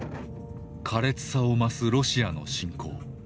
苛烈さを増すロシアの侵攻。